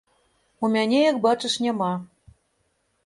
У мяне, як бачыш, няма.